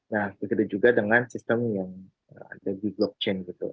nah begitu juga dengan sistem yang ada di blockchain gitu